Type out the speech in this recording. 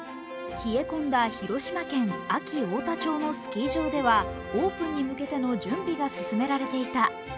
冷え込んだ広島県安芸太田町のスキー場ではオープンに向けての準備が進められていた。